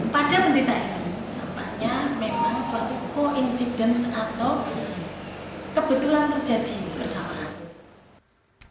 pada pemerintah ini tampaknya memang suatu koinsidens atau kebetulan terjadi bersalah